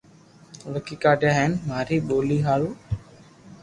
لکي ڪاڌيا ھي ھين ماري ڀولي ھارو